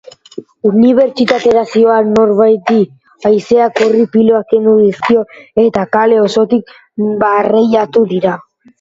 Unibertsitatera zihoan norbaiti haizeak orri piloa kendu dizkio eta kale osotik barreiatu dira.